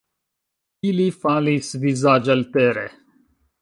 Ili falis vizaĝaltere.